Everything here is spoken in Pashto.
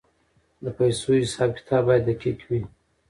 د پیسو حساب کتاب باید دقیق وي.